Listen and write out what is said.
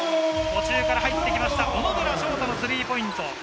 途中から入ってきました、小野寺祥太のスリーポイント。